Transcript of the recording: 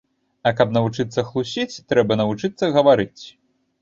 А каб навучыцца хлусіць, трэба навучыцца гаварыць.